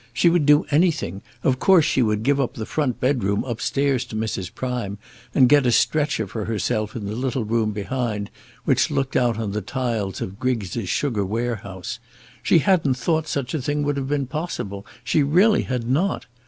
She would do anything; of course she would give up the front bedroom up stairs to Mrs. Prime, and get a stretcher for herself in the little room behind, which looked out on the tiles of Griggs' sugar warehouse. She hadn't thought such a thing would have been possible; she really had not.